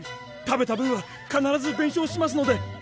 食べた分は必ず弁償しますので。